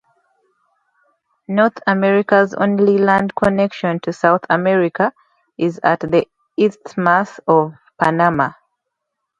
North America's only land connection to South America is at the Isthmus of Panama.